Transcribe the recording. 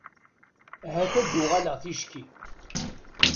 Ahat ad d-uɣaleɣ ticki.